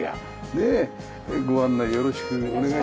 ご案内よろしくお願いします。